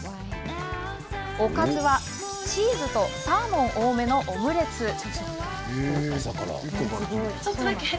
おかずはチーズとサーモン多めのオムレツ。